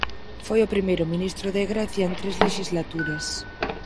Foi o primeiro ministro de Grecia en tres lexislaturas.